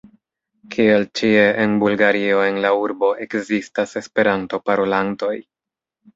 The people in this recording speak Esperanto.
Kiel ĉie en Bulgario en la urbo ekzistas Esperanto-parolantoj.